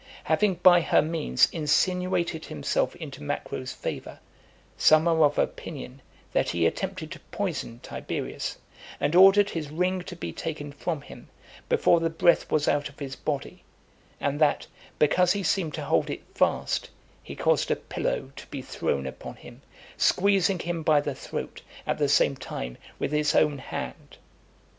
Having by her means insinuated himself into Macro's favour, some are of opinion that he attempted to poison Tiberius, and ordered his ring to be taken from him, before the breath was out of his body; and that, because he seemed to hold it fast, he caused a pillow to be thrown upon him , squeezing him by the throat, at the same time, with his own hand.